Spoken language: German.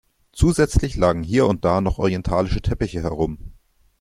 Zusätzlich lagen hier und da noch orientalische Teppiche herum.